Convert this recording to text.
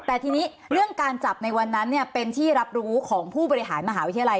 แต่ทีนี้เรื่องการจับในวันนั้นเป็นที่รับรู้ของผู้บริหารมหาวิทยาลัย